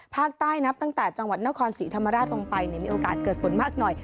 นับตั้งแต่นับตั้งแต่จังหวัดนครศรีธรรมราชลงไปมีโอกาสเกิดฝนมากหน่อย